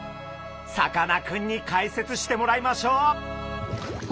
さかなクンに解説してもらいましょう。